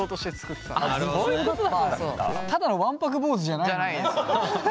ただのわんぱく坊主じゃないんだね。